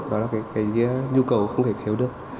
đó là cái nhu cầu không thể thiếu được